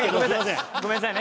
ごめんなさいね。